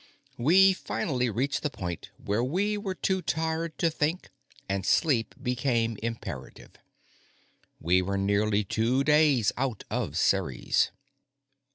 We finally reached the point where we were too tired to think, and sleep became imperative. We were nearly two days out of Ceres.